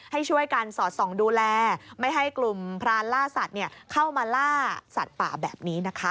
ให้ช่วยกันสอดส่องดูแลไม่ให้กลุ่มพรานล่าสัตว์เข้ามาล่าสัตว์ป่าแบบนี้นะคะ